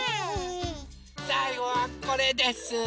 さいごはこれです。